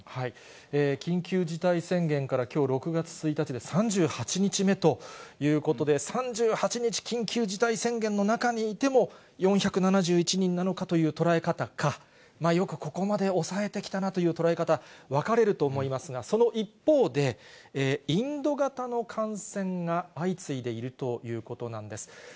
緊急事態宣言からきょう６月１日で３８日目ということで、３８日緊急事態宣言の中にいても、４７１人なのかという捉え方か、よくここまで抑えてきたなという捉え方、分かれると思いますが、その一方で、インド型の感染が相次いでいるということなんです。